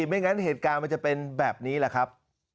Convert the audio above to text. ไม่งั้นเหตุการณ์มันจะเป็นแบบนี้แหละครับ